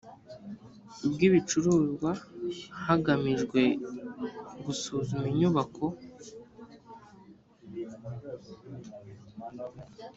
bw ibicuruzwa hagamijwe gusuzuma inyubako